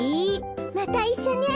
またいっしょね！